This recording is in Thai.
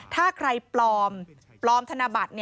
ถ้าใครปลอมปลอมธนบัตร